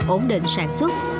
ổn định sản xuất